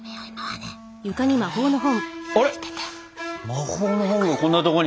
魔法の本がこんなとこに。